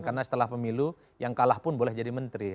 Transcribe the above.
karena setelah pemilu yang kalah pun boleh jadi menteri